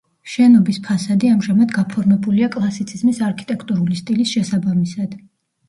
შენობის ფასადი ამჟამად გაფორმებულია კლასიციზმის არქიტექტურული სტილის შესაბამისად.